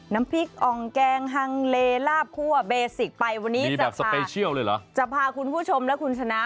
น้ำพริกอ่องแกงฮังเลลาบคั่วเบสิกไปวันนี้จะพาคุณผู้ชมและคุณชนะ